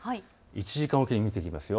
１時間置きに見ていきますよ。